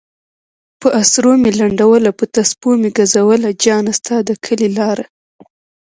پہ اسرو میی لنڈولہ پہ تسپو میی گزولہ جانہ! ستا د کلی لارہ